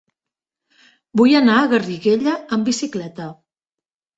Vull anar a Garriguella amb bicicleta.